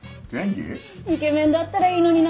イケメンだったらいいのにな。